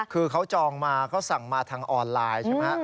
คือเขาจองมาเขาสั่งมาทางออนไลน์ใช่ไหมครับ